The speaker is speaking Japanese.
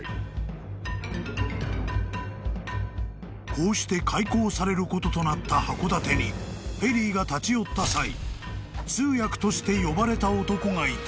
［こうして開港されることとなった函館にペリーが立ち寄った際通訳として呼ばれた男がいた］